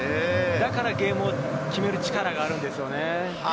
だからゲームを決める力があるんです。